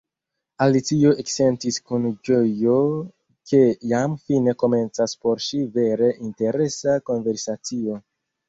Alicio eksentis kun ĝojo ke jam fine komencas por ŝi vere interesa konversacio.